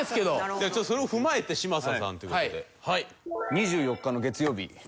じゃあちょっとそれを踏まえて嶋佐さんという事で。